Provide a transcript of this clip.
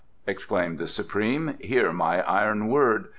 exclaimed the Supreme. "Hear my iron word.